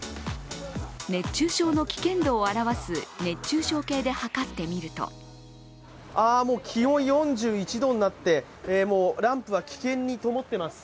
熱中症の危険度を表す熱中症計で測ってみると気温４１度になって、もう、ランプは危険にともっています。